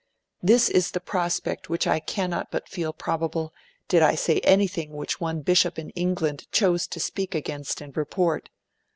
'This is the prospect which I cannot but feel probable, did I say anything which one Bishop in England chose to speak against and report.